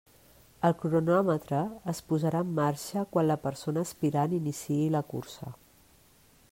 El cronòmetre es posarà en marxa quan la persona aspirant iniciï la cursa.